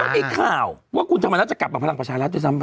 มีข่าวว่าคุณธรรมนัฐจะกลับมาพลังประชารัฐด้วยซ้ำไป